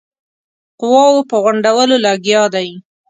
قواوو په غونډولو لګیا دی.